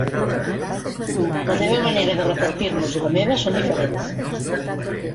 La teva manera de repartir-nos i la meva són diferents.